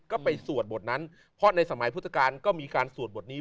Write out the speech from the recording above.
ก็ไปสวดบทนั้นเพราะในสมัยพุทธกาลก็มีการสวดบทนี้